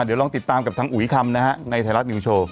เดี๋ยวลองติดตามกับทางอุ๋ยคำนะฮะในไทยรัฐนิวโชว